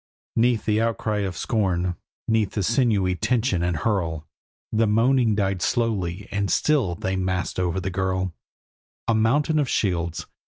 'Neath the outcry of scorn, 'neath the sinewy tension and hurl, The moaning died slowly, and still they massed over the girl A mountain of shields!